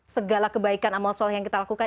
segala kebaikan amal soleh yang kita lakukan